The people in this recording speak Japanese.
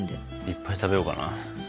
いっぱい食べようかな。